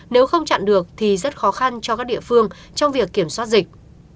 nếu không chặn được thì rất khó khăn cho các địa phương trong việc kiểm soát dịch